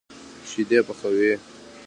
شيدې پخوي.